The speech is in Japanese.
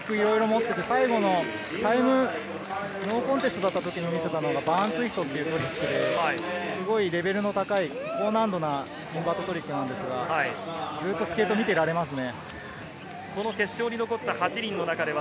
最後のノーコンテストだった時に見せたのはバーンツイストというトリックで、レベルの高い、高難度なバックトリックなんですが、ずっとスケート見てられますね。